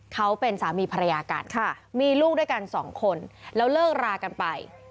เขาเป็นสามีภรรยากันมีลูกด้วยกันสองคนแล้วเลิกรากันไป